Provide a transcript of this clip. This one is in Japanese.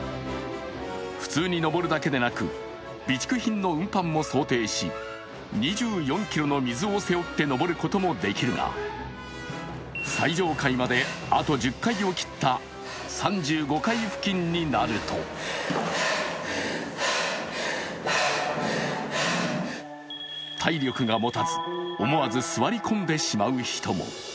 普通に上るだけでなく備蓄品の運搬も想定し２４ｋｇの水を背負って上ることもできるが最上階まであと１０階を切った３５階付近になると体力がもたず、思わず座り込んでしまう人も。